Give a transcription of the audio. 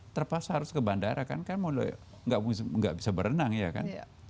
terpaksa harus ke bandara kan mulai nggak bisa berenang ya kan